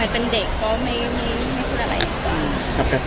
เป็นเด็กไม่มีอะไรอีก